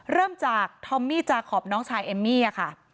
เริ่มจากทอมมี่จาขอบน้องชายเอมมี่ค่ะ